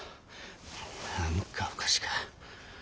何かおかしか。